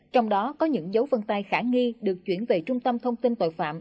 trong đó có những dấu vân tay khả nghi được chuyển về trung tâm thông tin tội phạm